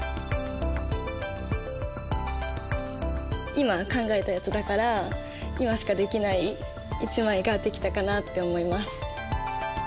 今考えたやつだから今しか出来ない１枚が出来たかなって思います。